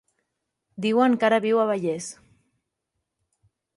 Diuen que ara viu a Vallés.